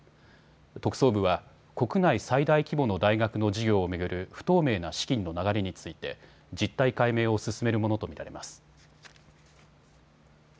特捜部は国内最大規模の大学の事業を巡る不透明な資金の流れについて実態解明を進めるものと見られます。